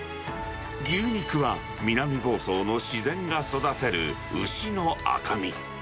牛肉は南房総の自然が育てる牛の赤身。